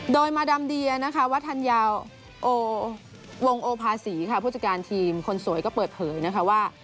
โดยมาดามเดียนะคะวัฒนยาววงโอภาษีค่ะผู้จัดการทีมคนสวยก็เปิดเผยนะคะว่า